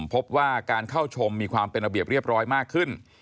พบว่าการเข้าชมมีความเป็นระเบียบเรียบร้อยมากขึ้น